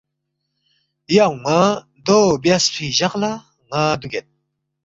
”یا اون٘ا دو بیاسفی جق لہ ن٘ا دُوگید